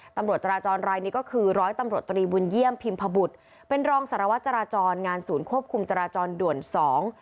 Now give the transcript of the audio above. ตำรวจจราจรรายนี้ก็คือร้อยตำรวจตรีบุญเยี่ยมพิมพบุตรเป็นรองสารวัตรจราจรงานศูนย์ควบคุมจราจรด่วนสอง